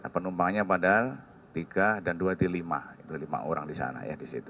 penumpangnya padahal tiga dan dua di lima itu lima orang di sana ya di situ